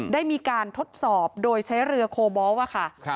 ได้มีการทดสอบโดยใช้เรือโคบอลค่ะ